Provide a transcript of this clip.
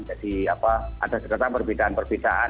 ada terdapat perbedaan perbedaan